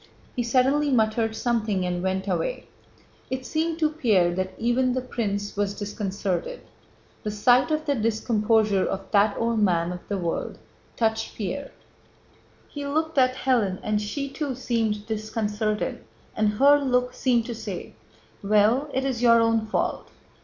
He suddenly muttered something and went away. It seemed to Pierre that even the prince was disconcerted. The sight of the discomposure of that old man of the world touched Pierre: he looked at Hélène and she too seemed disconcerted, and her look seemed to say: "Well, it is your own fault."